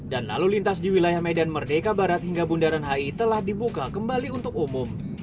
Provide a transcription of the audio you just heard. dan lalu lintas di wilayah medan merdeka barat hingga bundaran hi telah dibuka kembali untuk umum